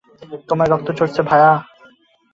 তোমার রক্ত ঝরছে, ভায়া।